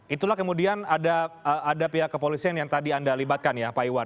itulah kemudian ada pihak kepolisian yang tadi anda libatkan ya pak iwan